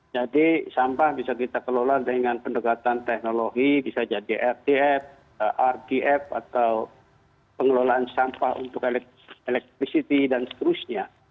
jadi sampah bisa kita kelola dengan pendekatan teknologi bisa jadi rtf rdf atau pengelolaan sampah untuk elektrisiti dan seterusnya